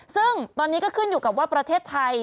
ซึ่งตอนนี้ก็ขึ้นอยู่กับว่าประเทศไทย